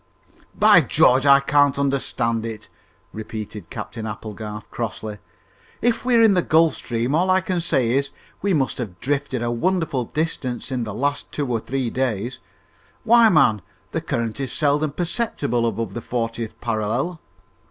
"By George, I can't understand it!" repeated Captain Applegarth crossly. "If we're in the Gulf Stream, all I can say is, we must have drifted a wonderful distance in the last two or three days. Why, man, the current is seldom perceptible above the fortieth parallel!"